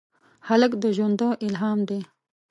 هلک د ژونده الهام دی.